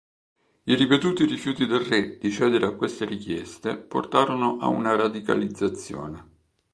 I ripetuti rifiuti del re di cedere a queste richieste portarono a una radicalizzazione.